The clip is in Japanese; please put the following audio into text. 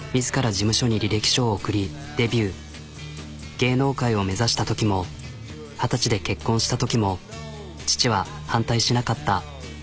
芸能界を目指したときも二十歳で結婚したときも父は反対しなかった。